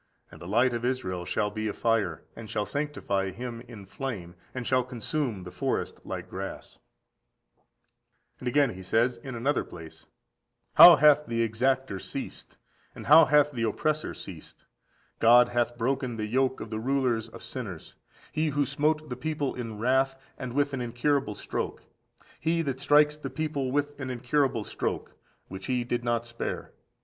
And the light of Israel shall be a fire, and shall sanctify him in flame, and shall consume the forest like grass."14371437 Isa. x. 12–17. 17. And again he says in another place: "How hath the exactor ceased, and how hath the oppressor ceased!14381438 ἐπισπουδαστής. God hath broken the yoke of the rulers of sinners, He who smote the people in wrath, and with an incurable stroke: He that strikes the people with an incurable stroke, which He did not spare.